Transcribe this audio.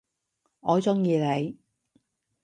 我中意你！